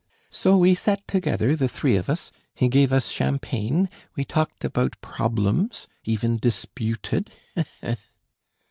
"So we sat together, the three of us, he gave us champagne, we talked about problems ... even dis pu ted....